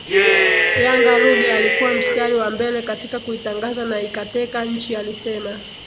Yanga Ruge alikuwa mstari wa mbele katika kuitangaza na ikateka nchi alisema